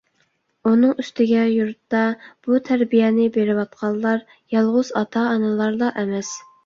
ئۇنىڭ ئۈستىگە، يۇرتتا بۇ تەربىيەنى بېرىۋاتقانلار يالغۇز ئاتا-ئانىلارلا ئەمەس.